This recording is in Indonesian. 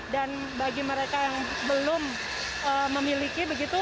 dan bagi mereka yang belum memiliki begitu